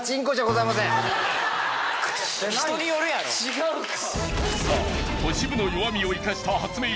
違うか。